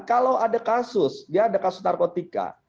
kalau ada kasus dia ada kasus narkotika